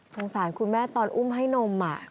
สารคุณแม่ตอนอุ้มให้นม